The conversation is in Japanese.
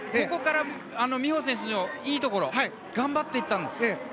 ここから美帆選手のいいところで頑張っていったんです。